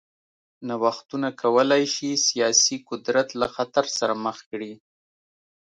نوښتونه کولای شي سیاسي قدرت له خطر سره مخ کړي.